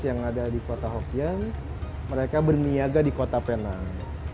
yang ada di kota hokian mereka berniaga di kota penang